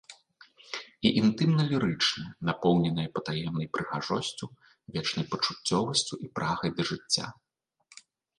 І інтымна-лірычныя, напоўненыя патаемнай прыгажосцю, вечнай пачуццёвасцю і прагай да жыцця.